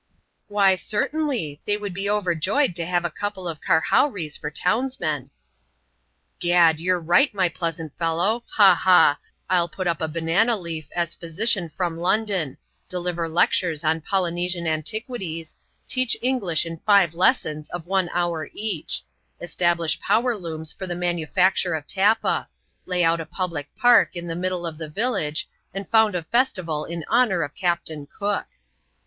"" Why, certainly : they would be overjoyed to have a couple of karhowrees for townsmen." " Gad ! you're right, my pleasant fellow. Ha ! ha ! Ill put up a banana leaf as physician from London — deliver lectures on Polynesian antiquities — teach English in five lessons, of one hour each — establish power looms for the manufacture of tappa — lay out a public park p the middle of the village, and found a festival in honour of Captain Cook